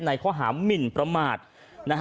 ในข้อหามินประมาทนะฮะ